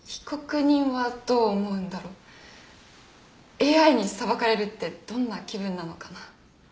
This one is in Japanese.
ＡＩに裁かれるってどんな気分なのかな。